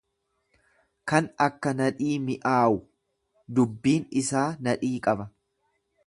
kan akka nadhii mi'aawu; Dubbiin isaa nadhii qaba.